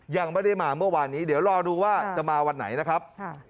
ยังไม่ได้มาเมื่อวานนี้เดี๋ยวรอดูว่าจะมาวันไหนนะครับ